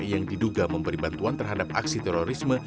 yang diduga memberi bantuan terhadap aksi terorisme